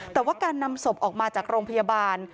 แต่ว่าการนำศพออกมาจากโรงพยาบาล